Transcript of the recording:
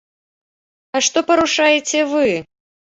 А што парушаеце вы?